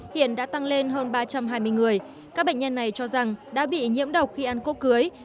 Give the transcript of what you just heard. hiện đã tăng lên hơn ba trăm hai mươi người các bệnh nhân này cho rằng đã bị nhiễm độc khi ăn cỗ cưới